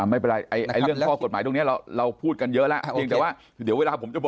ไม่เป็นไรเรื่องข้อกฎหมายตรงนี้เราพูดกันเยอะแล้ว